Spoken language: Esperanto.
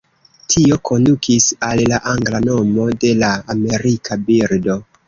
Tio kondukis al la angla nomo de la amerika birdo.